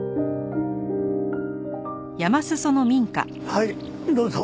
はいどうぞ。